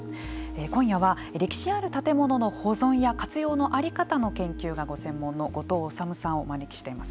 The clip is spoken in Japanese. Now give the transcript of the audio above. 今夜は歴史ある建物の保存や活用の在り方の研究がご専門の後藤治さんをお招きしています。